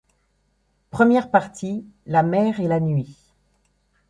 première partie : la mer et la nuit